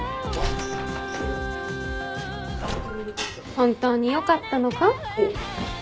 本当によかったのか？